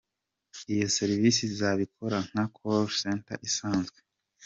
Iyo serivisi izaba ikora nka ‘Call Center’ isanzwe”.